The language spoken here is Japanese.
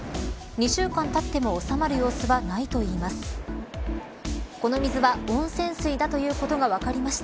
２週間たっても収まる様子はないといいます。